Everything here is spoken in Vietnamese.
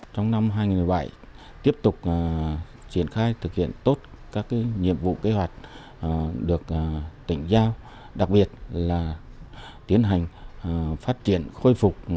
trong năm hai nghìn một mươi bảy tiếp tục triển khai thực hiện tốt các nhiệm vụ kế hoạch được tỉnh giao đặc biệt là tiến hành phát triển khôi phục